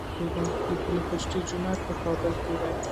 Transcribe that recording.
د پل خشتي جومات په کابل کې دی